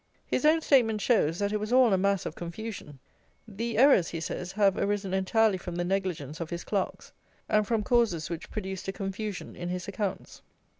His own statement shows that it was all a mass of confusion. The errors, he says, have arisen entirely from the negligence of his clerks, and from causes which produced a confusion in his accounts.